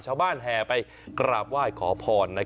ชาวบ้านแห่ไปกราบว่ายขอพรนะครับ